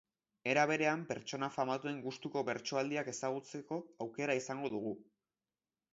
Era berean, pertsona famatuen gustuko bertsoaldiak ezagutzeko aukera izango dugu.